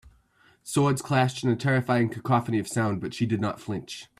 Swords clashed in a terrifying cacophony of sound but she did not flinch.